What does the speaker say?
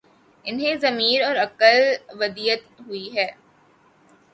انہیں ضمیر اور عقل ودیعت ہوئی ہی